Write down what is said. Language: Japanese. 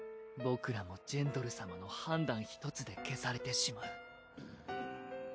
僕らもジェンドル様の判断ひとつで消されてしまう。